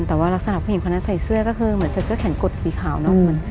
แต่ว่ารักษณะผู้หญิงคนนั้นใส่เสื้อก็คือเหมือนใส่เสื้อแขนกดสีขาวเนอะ